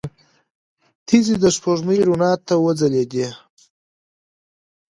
تيږې د سپوږمۍ رڼا ته وځلېدې.